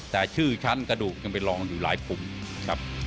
แต่ชื่อชั้นกระดูกยังไปลองอยู่หลายปุ่มครับ